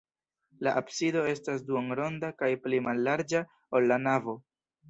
La absido estas duonronda kaj pli mallarĝa, ol la navo.